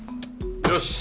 よし！